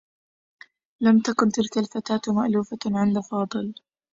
لم تكن تلك الفتاة مألوفة عند فاضل.